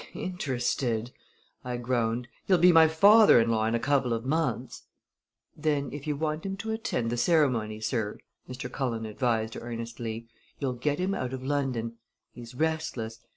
"Interested!" I groaned. "He'll be my father in law in a couple of months." "Then if you want him to attend the ceremony, sir," Mr. Cullen advised earnestly, "you'll get him out of London. He's restless.